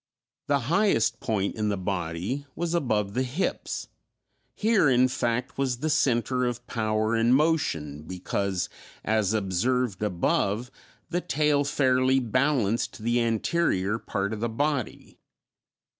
The highest point in the body was above the hips; here in fact, was the center of power and motion, because, as observed above, the tail fairly balanced the anterior part of the body.